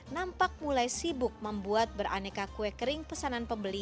nampak mulai sibuk membuat beraneka kue kering pesanan pembeli